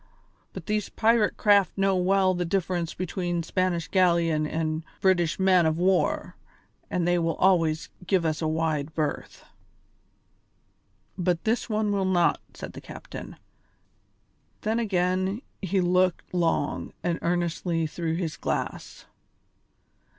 But these pirate craft know well the difference between a Spanish galleon and a British man of war, and they will always give us a wide berth." "But this one will not," said the captain. Then again he looked long and earnestly through his glass.